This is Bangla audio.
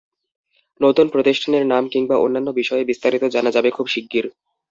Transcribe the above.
নতুন প্রতিষ্ঠানের নাম কিংবা অন্যান্য বিষয়ে বিস্তারিত জানা যাবে খুব শিগগির।